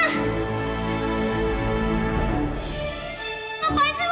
ngapain sih elo bawa orangnya ke sini